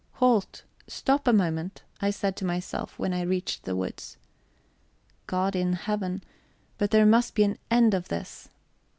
"Halt! Stop a moment!" I said to myself, when I reached the woods. God in Heaven, but there must be an end of this!